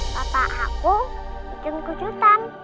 papa aku ujung kujutan